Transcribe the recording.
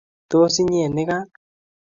Tos, inyee Ii gaa?